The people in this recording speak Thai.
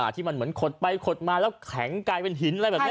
ที่มันเหมือนขดไปขดมาแล้วแข็งกลายเป็นหินอะไรแบบนี้